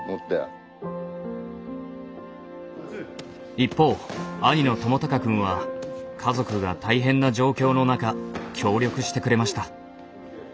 一方兄の智隆くんは家族が大変な状況の中協力してくれました。